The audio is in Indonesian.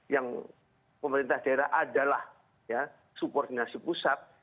yang pemerintah daerah adalah ya subordinasi pusat